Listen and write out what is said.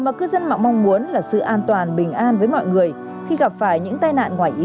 a cồng truyện hình công an